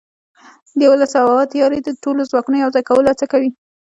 د یوولس ابعادو تیوري د ټولو ځواکونو یوځای کولو هڅه کوي.